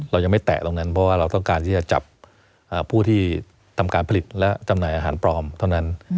เรายังไม่แตะตรงนั้นเพราะว่าเราต้องการที่จะจับผู้ที่ทำการผลิตและจำหน่ายอาหารปลอมเท่านั้น